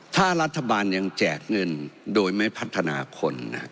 ถ้ารัฐบาลยังแจกเงินโดยไม่พัฒนาคน